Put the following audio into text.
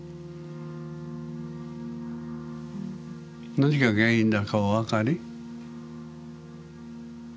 何が原因だかおわかり？